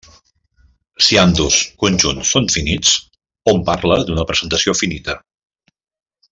Si ambdós conjunts són finits, hom parla d'una presentació finita.